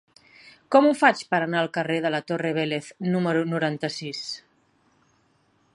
Com ho faig per anar al carrer de la Torre Vélez número noranta-sis?